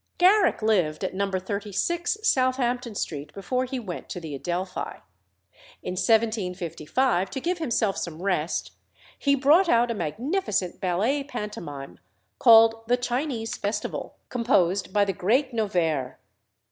Garrick lived at No. 36 Southampton Street before he went to the Adelphi. In 1755, to give himself some rest, he brought out a magnificent ballet pantomime, called "The Chinese Festival," composed by "the great Noverre."